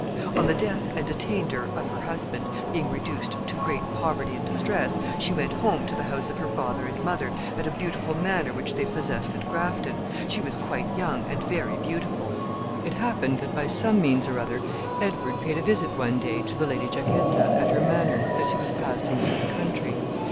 On the death and attainder of her husband, being reduced to great poverty and distress, she went home to the house of her father and mother, at a beautiful manor which they possessed at Grafton. She was quite young, and very beautiful. It happened that by some means or other Edward paid a visit one day to the Lady Jacquetta, at her manor, as he was passing through the country.